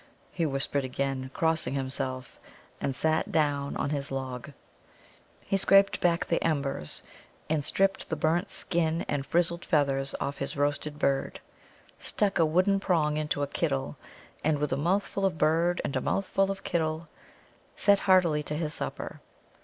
he whispered again, crossing himself, and sat down on his log. He scraped back the embers and stripped the burnt skin and frizzled feathers off his roasted bird, stuck a wooden prong into a Kiddal, and, with a mouthful of bird and a mouthful of Kiddal, set heartily to his supper.